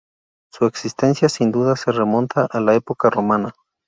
Su existencia, sin duda, se remonta a la "Época Romana".